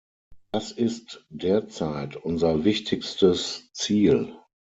Das ist derzeit unser wichtigstes Ziel.